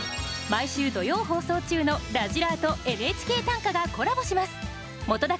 毎週土曜放送中の「らじらー！」と「ＮＨＫ短歌」がコラボします